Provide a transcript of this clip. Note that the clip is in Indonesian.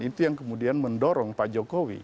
itu yang kemudian mendorong pak jokowi